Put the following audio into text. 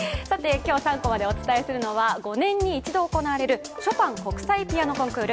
今日「３コマ」でお伝えするのは５年に１度行われるショパン国際ピアノ・コンクール。